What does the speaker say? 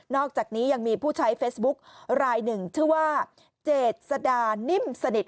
อกจากนี้ยังมีผู้ใช้เฟซบุ๊กรายหนึ่งชื่อว่าเจษดานิ่มสนิท